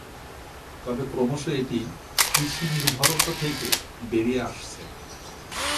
তবে ক্রমশ এটি কৃষি নির্ভরতা থেকে বেরি আসছে।